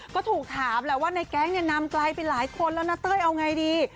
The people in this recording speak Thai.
ก็ถูกถามแหละว่าในแก๊งเนี่ยนำไกลไปหลายคนแล้วนะเต้ยเอาไงดี